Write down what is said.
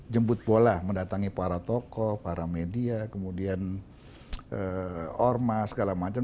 jemput bola mendatangi para tokoh para media kemudian ormas segala macam